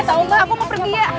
maaf ya kita mau pergi